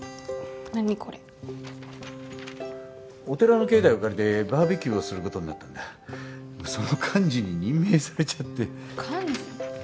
お寺の境内を借りてバーベキューをすることになったんだその幹事に任命されちゃって幹事？